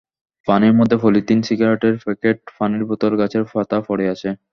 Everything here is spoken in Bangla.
পানির মধ্যে পলিথিন, সিগারেটের প্যাকেট, পানির বোতল, গাছের পাতা পড়ে আছে।